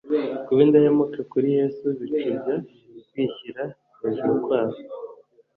kuba indahemuka kuri Yesu bicubya kwishyira hejuru kwabo;